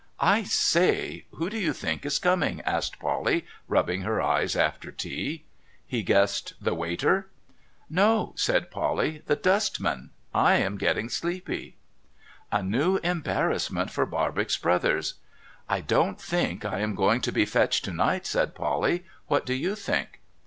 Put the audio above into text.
'I say! Who do you think is coming?' asked Polly, rubbing her eyes after tea. He guessed :' The waiter ?'' No,' said Polly, ' the dustman. I am getting sleepy.' 442 MUGBY JUNCTION A new embarrassment for Barbox Brothers !' I don't think I am going to be fetched to night,' said Polly. ' W'hat do you think